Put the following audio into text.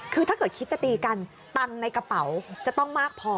คือถ้าเกิดคิดจะตีกันตังค์ในกระเป๋าจะต้องมากพอ